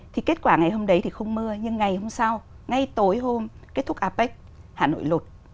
thì kết quả ngày hôm đấy thì không mưa nhưng ngày hôm sau ngay tối hôm kết thúc apec hà nội lụt